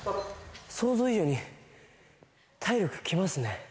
想像以上に体力きますね。